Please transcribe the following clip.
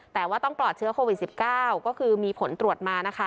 แต่ว่าต้องปลอดเชื้อโควิด๑๙ก็คือมีผลตรวจมานะคะ